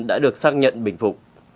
đã được xác nhận bệnh vụ